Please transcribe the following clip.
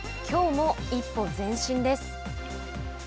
きょうも一歩前進です。